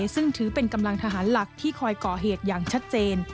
ซึ่งถือเป็นกำลังทหารหลักที่คอยก่อเหตุอย่างชัดเจน